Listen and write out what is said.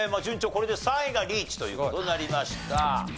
これで３位がリーチという事になりました。